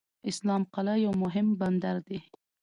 اسلام قلعه یو مهم بندر دی.